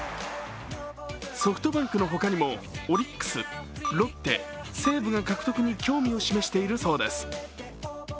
ソフトバンクの他にもオリックス、ロッテ、西武が獲得に興味を示しているそうです。